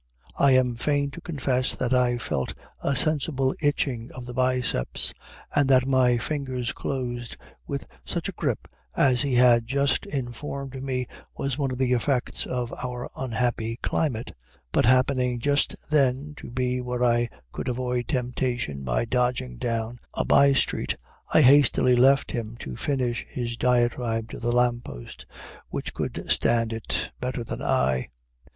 I am fain to confess that I felt a sensible itching of the biceps, and that my fingers closed with such a grip as he had just informed me was one of the effects of our unhappy climate. But happening just then to be where I could avoid temptation by dodging down a by street, I hastily left him to finish his diatribe to the lamp post, which could stand it better than I.